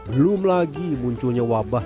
belum lagi munculnya wabah